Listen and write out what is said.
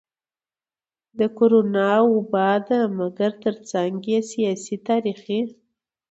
د کرونا وبا ده مګر ترڅنګ يې سياسي, تاريخي,